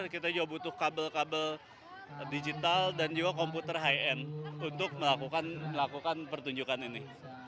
kita juga butuh kabel kabel digital dan juga komputer high end untuk melakukan pertunjukan ini